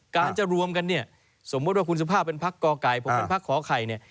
การจะรวมกันเนี่ยสมมุติว่าคุณสุภาพเป็นพักก่อไก่ผมเป็นพักขอไข่เนี่ย